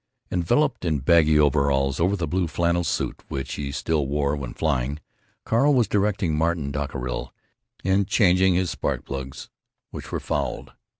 Enveloped in baggy overalls over the blue flannel suit which he still wore when flying, Carl was directing Martin Dockerill in changing his spark plugs, which were fouled.